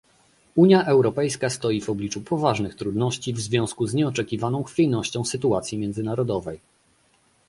Unia Europejska stoi w obliczu poważnych trudności w związku z nieoczekiwaną chwiejnością sytuacji międzynarodowej